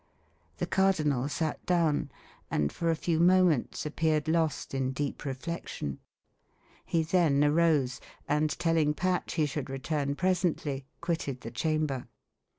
The cardinal sat down, and for a few moments appeared lost in deep reflection; he then arose, and telling Patch he should return presently, quitted the chamber.